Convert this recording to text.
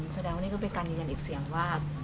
แสดงว่านี่ก็เป็นการยืนยันอีกเสียงว่า